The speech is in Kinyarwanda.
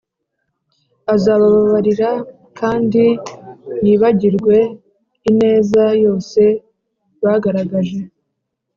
azababarira kandi yibagirwe ineza yose bagaragaje